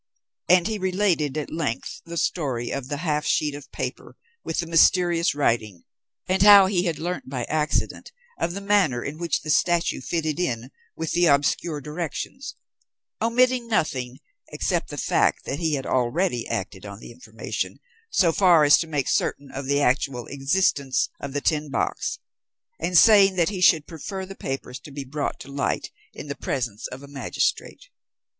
And he related at length the story of the half sheet of paper with the mysterious writing, and of how he had learnt by accident of the manner in which the statue fitted in with the obscure directions, omitting nothing except the fact that he had already acted on the information so far as to make certain of the actual existence of the tin box, and saying that he should prefer the papers to be brought to light in the presence of a magistrate.